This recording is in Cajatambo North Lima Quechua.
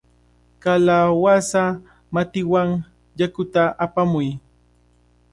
¡Kalawasa matiwan yakuta apamuy!